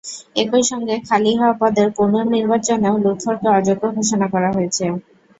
একই সঙ্গে খালি হওয়া পদের পুনর্নির্বাচনেও লুৎফুরকে অযোগ্য ঘোষণা করা হয়েছে।